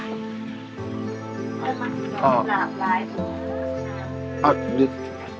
ไม่ต้องหรอก